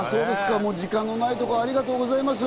時間のないところ、ありがとうございます。